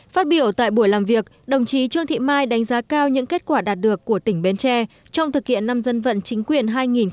phát biểu tại buổi làm việc đồng chí trương thị mai đánh giá cao những kết quả đạt được của tỉnh bến tre trong thực hiện năm dân vận chính quyền hai nghìn một mươi chín